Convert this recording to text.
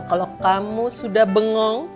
kalo kamu sudah bengong